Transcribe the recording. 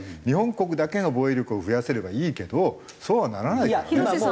日本国だけが防衛力を増やせればいいけどそうはならないからね。